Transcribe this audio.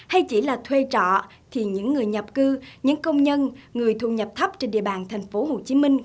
thay chỉ là thuê trọ thì những người nhập cư những công nhân người thu nhập thấp trên địa bàn thành phố hồ chí minh